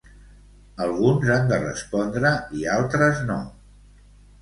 Alguns han de respondre i altres no.